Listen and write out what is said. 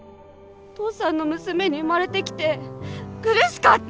父さんの娘に生まれてきて苦しかった！